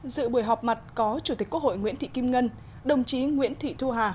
dự buổi họp mặt có chủ tịch quốc hội nguyễn thị kim ngân đồng chí nguyễn thị thu hà